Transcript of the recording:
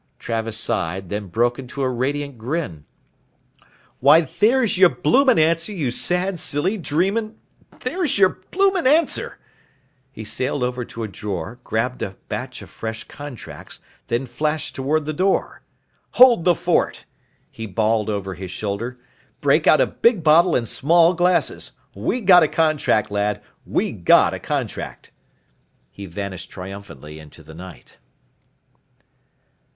Travis sighed, then broke into a radiant grin. "Why there's your bloomin' answer, you sad silly dreamin' there's your bloomin' answer!" He sailed over to a drawer, grabbed a batch of fresh contracts, then flashed toward the door. "Hold the fort," he bawled over his shoulder, "break out a big bottle and small glasses! We got a contract, lad, we got a contract!" He vanished triumphantly into the night.